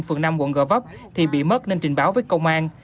phường năm quận gò vấp thì bị mất nên trình báo với công an